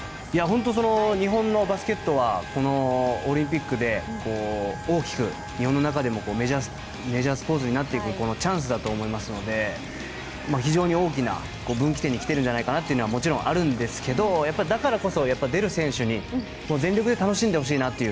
日本のバスケットはオリンピックで大きく日本の中でもメジャースポーツになっていくチャンスだと思いますので非常に大きな分岐点にきているんじゃないかというのはもちろん、あるんですけどだからこそ出る選手に全力で楽しんでほしいなという。